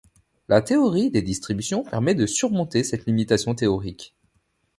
La théorie des distributions permet de surmonter cette limitation théorique.